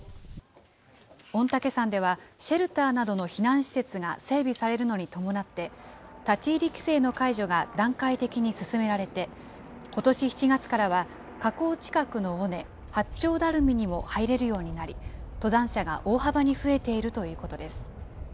御嶽山ではシェルターなどの避難施設が整備されるのに伴って、立ち入り規制の解除が段階的に進められて、ことし７月からは、火口近くの尾根、八丁ダルミにも入れるようになり、登山者が大幅に増えているということです。